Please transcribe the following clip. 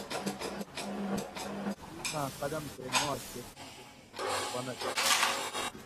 اُوٹاۤں قدم تے ماک گشیں گشیں تتھی پنہ چو